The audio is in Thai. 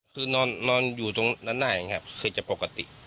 คือนอนอยู่ตรงนั้นได้อย่างนี้ครับคือจะปกติ